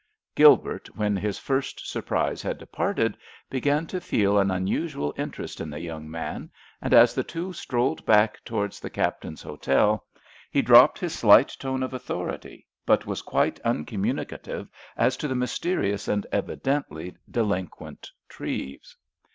Gilbert, when his first surprise had departed, began to feel an unusual interest in the young man, and as the two strolled back towards the Captain's hotel, he dropped his slight tone of authority, but was quite uncommunicative as to the mysterious and evidently delinquent Treves.